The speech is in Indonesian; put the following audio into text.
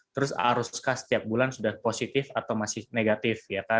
terus aruskah setiap bulan sudah positif atau masih negatif